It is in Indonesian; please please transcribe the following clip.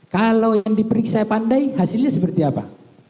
kalau yang diperiksa pandai hasilnya seperti apa